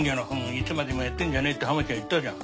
いつまでもやってんじゃねえってハマちゃん言ったじゃん。